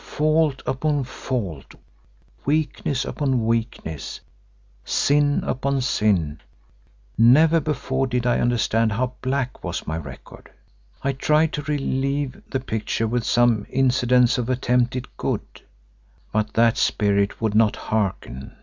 Fault upon fault, weakness upon weakness, sin upon sin; never before did I understand how black was my record. I tried to relieve the picture with some incidents of attempted good, but that Spirit would not hearken.